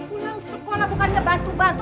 pulang sekolah bukannya bantu bantu